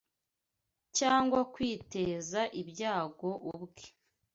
cyangwa kwiteza ibyago ubwe